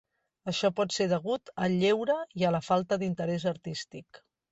Això pot ser degut al lleure i a la falta d'interès artístic.